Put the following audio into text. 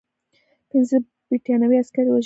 پنځه برټانوي عسکر یې وژلي دي.